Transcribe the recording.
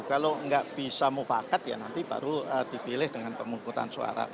kalau nggak bisa mufakat ya nanti baru dipilih dengan pemungkutan suara